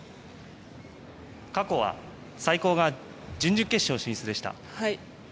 過去は最高が準々決勝進出でした。